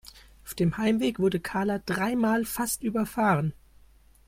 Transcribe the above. Auf dem Heimweg wurde Karla dreimal fast überfahren.